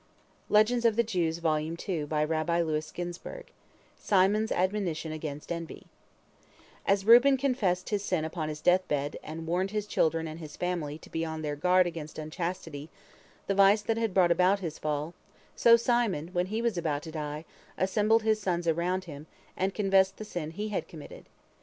SIMON'S ADMONITION AGAINST ENVY As Reuben confessed his sin upon his death bed, and warned his children and his family to be on their guard against unchastity, the vice that had brought about his fall, so Simon, when he was about to die, assembled his sons around him, and confessed the sin he had committed.